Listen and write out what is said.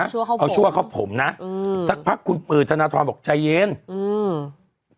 ชั่วเข้าผมเอาชั่วเข้าผมน่ะอืมสักพักคุณปืนธนธรรมบอกใจเย็นอืม